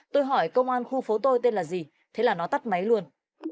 tôi hỏi công an khu phố tôi tên là gì thế là nó tắt máy luôn